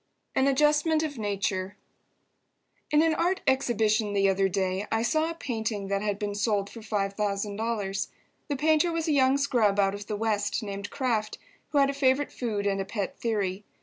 AN ADJUSTMENT OF NATURE In an art exhibition the other day I saw a painting that had been sold for $5,000. The painter was a young scrub out of the West named Kraft, who had a favourite food and a pet theory.